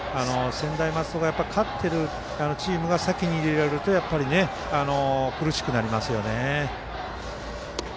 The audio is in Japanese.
勝っているチームが先に入れられるとやっぱり苦しくなりますよね。